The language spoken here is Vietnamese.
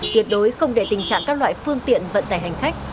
tuyệt đối không để tình trạng các loại phương tiện vận tải hành khách